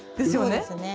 そうですね。